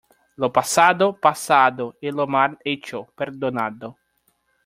Lo pasado, pasado, y lo mal hecho, perdonado.